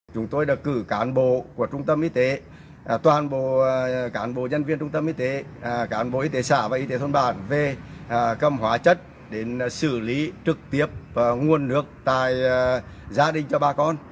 chúng tôi đã cử cán bộ của trung tâm y tế toàn bộ cán bộ nhân viên trung tâm y tế cán bộ y tế xã và y tế thôn bản về cầm hóa chất để xử lý trực tiếp nguồn nước tại gia đình cho bà con